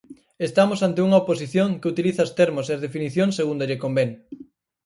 Estamos ante unha oposición que utiliza os termos e as definicións segundo lle convén.